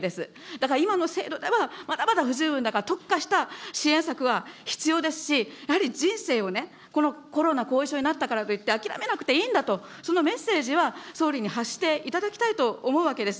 だから、今の制度では、まだまだ不十分だから特化した支援策が必要ですし、やはり人生をね、このコロナ後遺症になったからといって、諦めなくていいんだという、そのメッセージは総理に発していただきたいと思うわけです。